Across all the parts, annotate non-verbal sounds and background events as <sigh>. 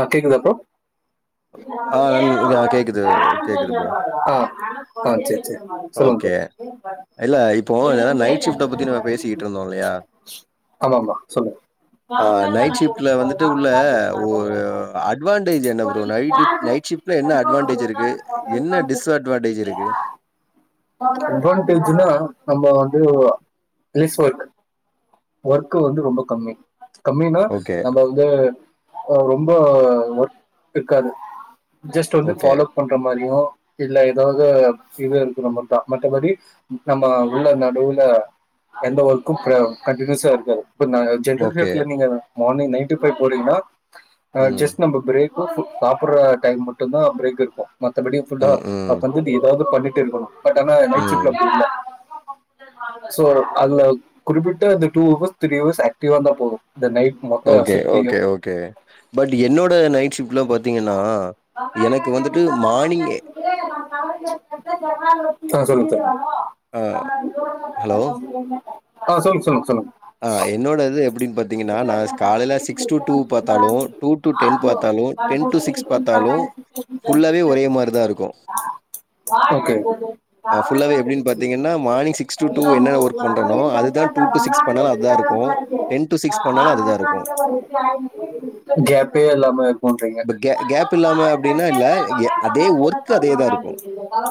ஆ கேக்குதாப்பா ஆ நன் அ கேக்குது கேக்குது ப்ரோ. ஆ சேர் சேர் ஓகே. சொல்லுங்கப்பா இல்ல இப்போ ஏன்னா நைட் ஷிஃப்ட்ட பத்தி நம்ம பேசிக்கிட்டு இருந்தோம் இல்லையா? ஆமாமா சொல்லுங்க ஆ நைட் ஷிஃப்ட்ல வந்துட்டு உள்ள ஒரு அட்வான்டேஜ் என்ன ப்ரோ? <unintelligible> நைட் நைட் ஷிஃப்ட்ல என்ன அட்வான்டேஜ் இருக்கு? என்ன டிஸ்அட்வான்டேஜ் இருக்கு? <unintelligible> அட்வான்டேஜ்னா நம்ம வந்து பேஸ் வேர்ல்டு ஒர்க்கு வந்து ரொம்ப கம்மி கம்மினா ஓகே, நம்ம வந்து ரொம்ப ஒர்க் இருக்காது ஜஸ்ட் வந்து ஓகே, ஃபாலோப் பண் பன்ற மாரியு இல்ல எதாவது இது இருக்குனா மட்டு மத்த படி நம்ம உள்ள நடுவுல எந்த ஓர்குக்கு கண்டீனிசா இருக்காது இப்ப ஜென்ரல் ஓகே. ஸிப்ட்ல நீங்க மார்னிங் நைன் டு பைவ் போறீங்கன்னா ஹ ம், ஜஸ்ட் நம்ம பிரேக்கு சாப்பிட்ற டைம் மட்டுந்தா பிரேக் இருக்கு மத்தபடி ஃபுல்லா ம், ம், அத்த வந்துட்டு எதாவது பண்ணிட்டு இருக்கணு பட் ஆனா நைட் ஷிப்ட்ல ம். அப்டி இல்ல சோ அதுல குறிப்பிட்ட இந்த டூ ஹவர்ஸ் த்ரீ ஹவர்ஸ் ஆக்டிவா இருந்தா போது இந்த நைட் மொத்த ஓகே ஷிப்ட்லயு ஓகே ஓகே பட் என்னோட நைட் ஷிப்ட்லா பாத்தீங்கனா எனக்கு வந்துட்டு மார்னிங்கே சார் சொல்லுங்க சார் அ ஹலோ? ஆ சொல்லுங் சொல்லுங் சொல்லுங்க ஆ என்னோட இது எப்படினு பாத் தீங்கன்னா நா காலைல சிக்ஸ் டு டூ பாத்தாலு டூ டு டென் பாத்தாலு டென் டு சிக்ஸ் பாத்தாலு ஃபுல்லாவே ஒரே மாரிதா இருக்கு ஆ ஃபுல்லாவே எப்டின்னு பாத்தீங்கன்னா மார்னிங் சிக்ஸ் டு டூ என்ன ஒர்க் பண்றேனோ அதுதா டூ டு சிக்ஸ் பண்ணாலு அதா இருக்கு கேப்பே இல்லாம இருக்கும்ன்றீங்க இப்ப க கேப் இல்லாம அப்படின்னா இல்ல அதே ஒர்க் அதேதா இருக்கு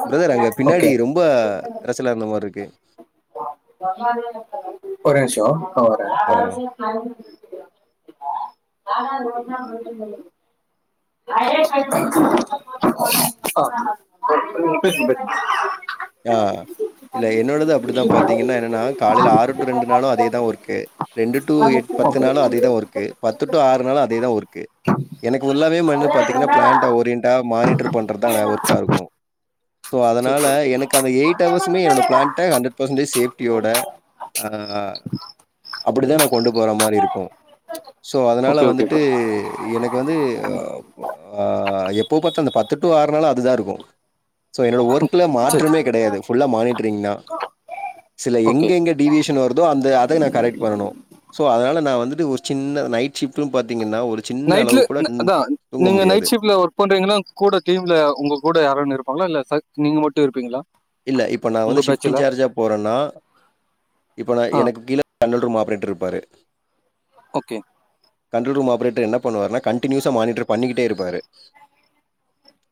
பிரதர் அங்க பின்னாடி ஓகே ரொம்ப அரசலா இருந்த மாரி இருக்கு ஒரே நிம்ஷோ நா வரே ஆ, ஒரே நிம்ஷ் <inaudible> ஆ பேசுங்க பேசுங்க ஆ இல்ல என்னோடது அப்படிதா பாத்தீங்கன்னா என்னன்னா காலையில ஆறு டு ரெண்டு நாளு அதேதா ஒர்க்கு ரெண்டு டு எ பத்து ஓகே நாளு அதேதா ஒர்க்கு பத்து டு ஆறு நாளு அதேதா ஒர்க்கு எனக்கு உள்ளாவே மண்ணு பாத்தீங்கன்னா பிளாண்ட்ட ஓரியன்டா மானிட்டர் பண்றதுதாவே ஒர்க்கா இருக்கு சோ சரி அதுனால சரி எனக் கு அந்த எயிட் ஹவர்ஸ்மே என்னோட பிளான்ட்ட ஹண்ரட் பர்சன்ட் சேஃப்டியோட அப்டிதா நா கொண்டு போற மாரி இருக்கு ஸோ அதுனால ஓகே ஓகே ப்ரோ வந்துட்டு எனக்கு வந்து ஆ எப்போ பாத்தா அந்த பத்து டு ஆறுனாளு அதுதா இருக்கு சோ என்னோட ஒர்க்ல சரி மாற்றமே கிடையாது புல்லா மானிட்டரிங் தா சில ஓகே எங்க எங்க டிவியேஷன் வருதோ அந்த அதை நா கரெக்ட் பண்ணனு சோ அதனால நா வந்துட்டு ஒரு சின்ன நைட் ஷிப்டுனு பாத்தீங்கன்னா ஒரு சின்ன அளவு நைட்ல கூட ம் அதா தூங்க நீங்க முடியாது. நைட் ஷிப்ட்ல ஓர் க் பண்றீங்கனா கூட டீம்ல உங்க கூட யாருன்னு இருப்பாங்களா இல்ல நீங்க மட்டும் இருப்பீங்களா இல்ல இப்ப நா உங்க வந்து ஷிப்டிங் பேட்ச்ல சார்ஜா போறேன்னா இப்ப நா ஆ எனக்கு கீழ கண்ட்ரோல் ரூம் ஆப்ரேட்டர் இருப்பாரு ஓகே கண்ட்ரோல் ரூம் ஆப்ரேட்டர் என்ன பண்ணுவார்னா கன்டினியுசா மானிட்டர் பண்ணிக்கிட்டே இருப்பாரு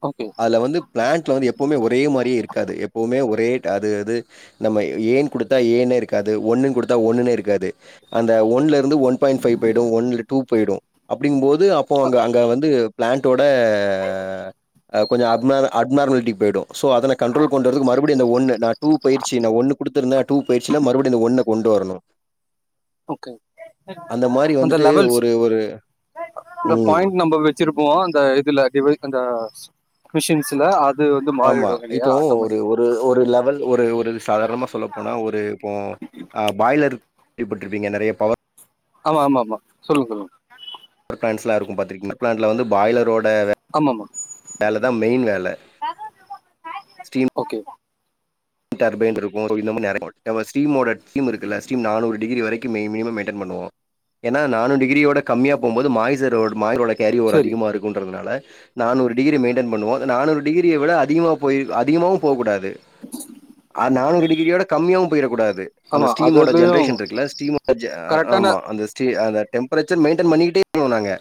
ஓகே அதுல வந்து பிளான்ட்ல வந்து எப்பவுமே ஒரே மாரியே இருக்காது எப்பவுமே ஒரேட் அது அது நம்ம ஏன் குடுத்தா ஏன்னு இருக்காது ஒன்னுன்னு குடுத்தா ஒன்னுன்னே இருக்காது அந்த ஒன்ல இருந்து ஒன் பாயிண்ட் ஃபைவ் போயிடு ஒன்ல டூ போயிடு அப்டிங்கும்போது அப்போ அங்க அங்க வந்து பிளான்ட்டோட அ கொஞ்ச அப் நா நார்மாலிட்டி போயிடு அத கண்ட்ரோல் பண்றதுக்கு மறுபடியும் இந்த ஒன்னு நா டூ போயிற்சி ந ஒன்னு குடுத்தருந்தா டூ போயிடுச்சுனா மறுபடியு இந்த ஒன்ன கொண்டு வரணு ஓகே மாரி அந்த வந்துட்டு லெவல்ஸ் ஒரு ஒரு இந்த ம். பாய்ண்ட் நம்பர் வி வச்சிருப்போ அந்த இதுல டிவு அந்த மிஷின்ஸ்ல அத் ஆமா இப்போ ஒரு ஒரு ஒரு லெவல் ஒரு ஒரு சாதாரணமா சொல்ல போனா ஒரு இப்போ ஆ பாய்லர் கேள்வி பட்டிருப்பீங்க நெறைய பவர் ஆமா ஆமா ஆமா சொல்லுங்க சொல்லுங்க பிப் பிளான்ட்ஸ்லா இருக்க பாத்துக்கீற்னா பிளாண்ட்டுல வந்து பாய்லரோட வேல ஆமா ஆமா வேல தா மெயின் வேல ஓகே டர்ஃபைன் இருக்கு சோ இன்னமு நெறை ஓல்ட் டவர் ஸ்டிம்மொட கிம் இருக்குல்ல ஸ்டிம் நானூறு டிகிரி வரைக்கியுமே மினிமேம் மெயின்டன் பண்ணுவோ ஏன்னா நானூ டிகிரியோட கம்மியா போம்போது மாய்சோரோட் மாய்யோடர் கேரி ஒரு சரி அதிகமா இருக்கும்ன்றதுனால நானூறு டிகிரி மெயின்டெயன் பண்ணுவோம் நானூறு டிகிரிய விட அதிகமா போய் அதிகமவு போகூடாது ஆ நானூறு டிகிரியோட கம்மியாவு போயிட கூடாது அந்த ஆமா ஸ்டீமோட அதுலயும் ஜென்ரேஷன் இருக்குல ஸ்டிமோட ஞ் ஆ கரெக்டான ஆமா அந்த ஸ்டி அந் டேம் ஒரேச்சேன் மென்டைன் பண்ணிக்யிட்டே போனாங்க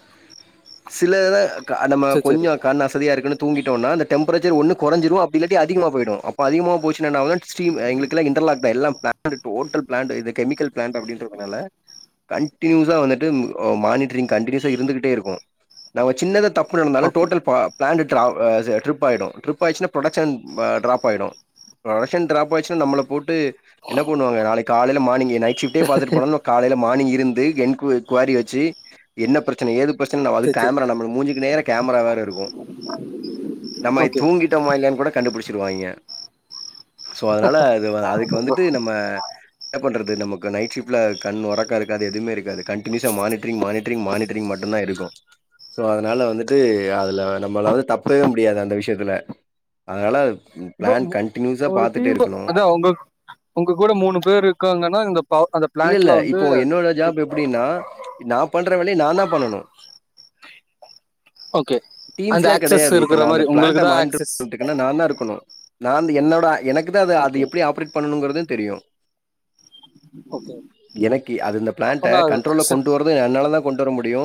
சில த கா நம்ம சரி சரி கொஞ்சோ கண் அசதியா இருக்குன்னு தூங்கிட்டோன்னா அந் டெம்பெரச்சர் ஒன்னு கொறஞ்சுரு அப்டி இல்லாடி அதிக போயிடு அப்ப அதிகமாவ் போச்சுன்னா என்னாவு ஸ்டிம் எய்ங்ளுக்கு இன்டர்லாக்டா எல்லா பிளான்ட் ஓட்டல் பிளான்ட்டு இது கேமிக்கல் பிளான்ட்டு அப்டின்றுனால கண்டியூசா வந்துட்டு மானிட்டரிங் கண்டியூஸ்சா இருந்துகிட்டே இருக்கு நம்ம சின்னதா தப் பு நடந்தாலு ஓகே டோட்டல் பா பிளான்டு டாவ சே டிப்பாயிடு டிப் ஆச்சுன்னா ப்ரோடக்ஸான் ப டிராப்பா ஆயிடு ஃப்ரோடக்ஷன் டிராப் ஆச்சுனா நம்ம போட்டு என்ன பண்ணுவோங்க நாளைக்கு கால மார்னிங்கு நைட் ஷிப்டே பாத்தத்துட்டு போன்லோ காலையில மார்னிங் இருந்து எண் கூவர்ரி குவாரி வச்சி என்ன பிரச்சன ஏது பிரச்சன அது சரி சரி கேம்ரா நம்ம மூஞ்சுக்கு நேரா கேம்மரா வேற இருக்கு நம்ம ஓகே தூங்கிட்டோமா இல்லையான்னு கூட கண்டு பிடிச்சிருவாய்ங்க சோ அதனால அது அதுக்கு வந்துட்டு நம்ம என்ன பண்றது நமக்கு நைட் ஷிப்ட்ல கண் ஒறக்கோ இருக்காது எதுமே இருக்காது கண்டினியூஸ்ஸா மானிட்டிரிங் மானிட் டரிங் மானிட்டரிங் மட்டும்தா இருக்கு சோ அதனால வந்துட்டு அதுல நம்மளாலது தப்பவே முடியாது அந்த விஷ்யத்துல அதனால இப்போ பிளான் மு- கண்ட் ஒரு டீம் அத உங்க உங்க கூட மூணு பேர் இருக்காங்கன்னா இந்த பவ் அத இல்ல இல்ல இப்போ என்னோட ஜாப் எப்டின்னா நா பண்ற வேலைய நா தா பண்ணனு ஓகே டீம்ஸ் அந்த எல்லா ஆக்சஸ் கெடையாது இப்ப இருக்கிற நா அந்த மாதிரி உங்களுக்கு பிளாண்ட தான் மானிட் ஆக்சஸ் ஏன்னா நா தா இருக்கணு நா என்னோட எனக்கு தா அது ஓகே அது எப்டி ஆப்ரேட் பண்ணணுங்குறது தெரியு ஓகே எனக்கு அது இந்த பிளான்ட அப்பனா அது கண்ட்ரோல கொண்டு வர் என்னால தா கொண்டு வர முடியு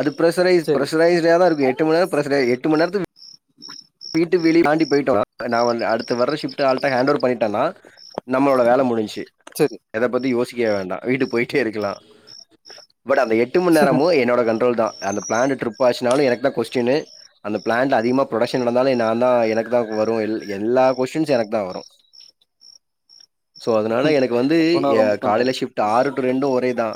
அது பிரசரைஸ் சரி பிரஷரைஸ்ட தா இருக்கு எட் டு பிரஸ்ஷரே எட்டு மண் நேரத்துக் வீட்டு வெளியே தாண்டி போயிட்டோ நா வந்து அடுத்த வர ஷிப்ட ஆள்ட்ட ஹாண்டுவோர் பண்ணிட்டேனா நம்மளோட வேல முடிஞ்சிச்சு சேர் எத பத்தி யோசிக்க வேண்டா வீட்டு போயிட்டே இருக்கலா பட் அந் எட் எட்டு மண் நேரமு என்னோட கண்ட்ரோல் தா அந்த பிளான்ட் டிரிப் ஆச்சுனாலு எனக்குதா கொஸ்டின் அந்த பிளான்ட்ல அதிகமா ப்ரொடக்க்ஷன் நடந்தாலே நா தா எனக்கு தா வரு எல் எல்லா கொஷ்டின்னு எனக்கு தா வரு சோ அதனால எனக்கு வந்து அப்பனா எ ரொம்ப காலைல கொஞ்சம் ஷிப்ட் ஆறு டூ ரெண்டு ஒரே தா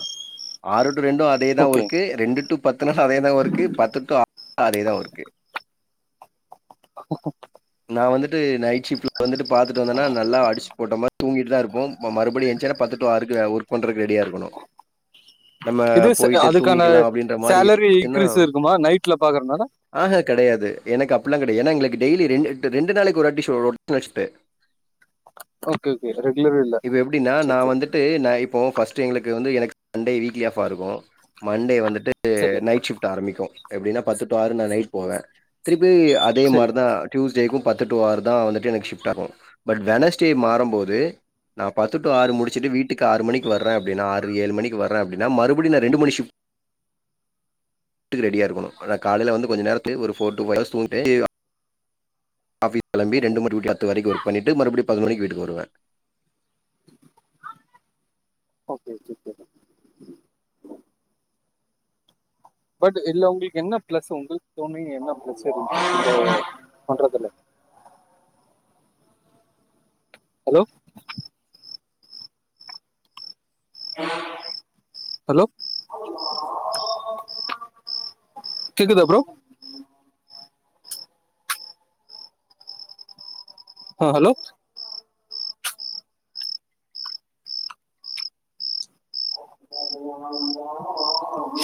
ஆறு டூ ரெண்டு அதே தா ஓகே ஒர்க்கு ரெண்டு டூ பத்துனா அதே தா ஒர்க்கு பத்து டூ ஆறு அதே தா ஒர்க்கு <unintelligible> நா வந்துட்டு நைட் ஷிப்ட் வந்துட்டு பாத்துட்டு வந்தனா நல்லா அடிச் போட்ட மாரி தூங்கிட்டு தா இருப்போ மறு அப்டி எந்துச்சினா பத்து டூ ஆறுக்கு ஒர்க் பண்றதுக்கு ரெடியா இருக்கணு நம்ம இது ச- போயிட்டு அதுக்கான தூங்கிக்கலா அப்டின்ற மாரி சேலரி இருந்துசுன்னா இன்க்ரீஸ் இருக்குமா நைட்ல பாக்குறதுனால ஆ கிடையாது எனக்கு அப்டிலா கெடையாது ஏன்னா எங்களுக்கு டெய்லி ரெண்டு ரெண்டு நாளைக்கு ஒரு வாட்டி சோ பெளஸ்டு ஓகே ஓகே ரெகுலர் இல்ல எப்டினா நா சரி சரி வந்து ட்டு நா இப்போ ஃபஸ்ட் எங்களுக்கு வந்து எனக்கு சண்டே வீக்லி ஆஃப்பா இருக்கு மண்டே வந்துட்டு சரி நைட் ஷிப்ட் ஆரம்பிக்கு எப்டின்னா பத்து டு ஆறு நா நைட் போவ திருப்பி அதே சரி மாரிதா டியூஸ்டேக்கு பத்து டூ ஆறு தா வந்துட்டு எனக்கு ஷிஃப்டாகு பட் வெனஸ்டே மாறும்போது பத்து டு ஆறு முடிச்சுட்டு வீட்டுக்கு ஆறு மணிக்கு வர அப்டின்னா ஆறு ஏழு மணிக்கு வரன் அப்டின்னா மறுபடியு நா ரெண்டு மணி ஷிப்ட் ட்க்கு ரெடியா இருக்கனு காலைல வந்து கொஞ்ச நேர ஒரு ஃபோர் டு ஃபைவ் ஹவர்ஸ் தூங்கிட்டு ஆஃபிஸ் கெளம்பி ஓகே ரெண்டு மணி டூ பத்து வரைக்கு ஒர்க் பண்ணிட்டு மறுபடி பன்னென்டு மணிக்கு வீட்டுக்கு வருவ ஓகே ஜிபே <inaudible> பட் இல்ல உங்களுக்கு என்ன பிளஸ் உங்களுக்கு தோணி என்ன பிளஸ் இருந்துச்சு இந்த பண்றதுல ஹலோ ஹலோ கேக்குதா ப்ரோ ஆ ஹலோ அ ஆ